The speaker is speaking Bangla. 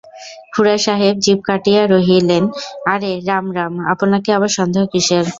খুড়াসাহেব জিভ কাটিয়া কহিলেন, আরে রাম রাম, আপনাকে আবার সন্দেহ কিসের।